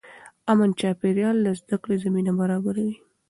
امن چاپېریال د زده کړې زمینه برابروي.